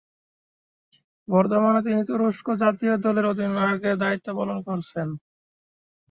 বর্তমানে তিনি তুরস্ক জাতীয় দল এর অধিনায়ক এর দ্বায়িত্ব পালন করছেন।